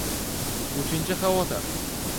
Uchinchi xavotir.